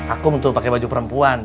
aku bentuk pake baju perempuan